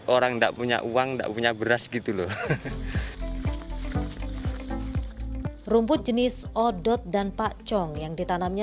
orang ndak punya uang ndak punya beras gitu loh rumput jenis odot dan pacong yang ditanamnya